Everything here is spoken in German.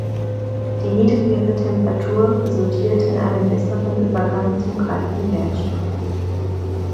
Die niedrigere Temperatur resultiert in einem besseren Übergang zum kalten Werkstoff.